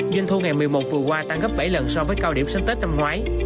doanh thu ngày một mươi một vừa qua tăng gấp bảy lần so với cao điểm sáng tết năm ngoái